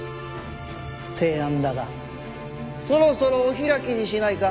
提案だがそろそろお開きにしないか？